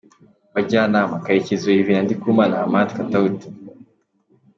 Abajyanama: Karekezi Olivier na Ndikumana Hamadi Katauti.